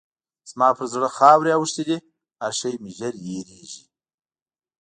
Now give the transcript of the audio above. زما پر زړه خاورې اوښتې دي؛ هر شی مې ژر هېرېږي.